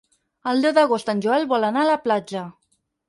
El deu d'agost en Joel vol anar a la platja.